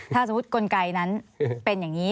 ถ้าสมมุติกลไกนั้นเป็นอย่างนี้